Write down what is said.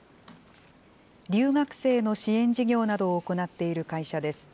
留学生の支援事業などを行っている会社です。